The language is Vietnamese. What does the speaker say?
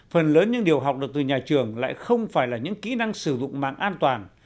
phần lớn những điều học được từ nhà trường lại không phải là những kỹ năng sử dụng mạng an toàn